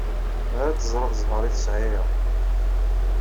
Mer ad teẓreḍ zzheṛ i tesɛiḍ!